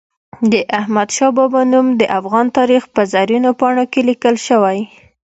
د احمد شاه بابا نوم د افغان تاریخ په زرینو پاڼو کې لیکل سوی.